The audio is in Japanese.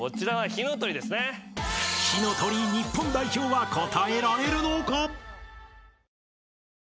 ［火の鳥ＮＩＰＰＯＮ代表は答えられるのか？］